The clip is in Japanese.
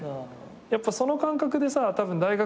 やっぱその感覚でさたぶん大学。